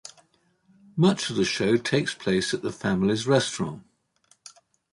Much of the show takes place at the family's restaurant.